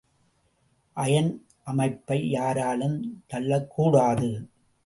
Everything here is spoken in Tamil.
அயன் அமைப்பை யாராலும் தள்ளக்கூடாது.